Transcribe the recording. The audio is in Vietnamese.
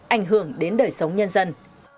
ảnh hưởng đến đời sống nhân dân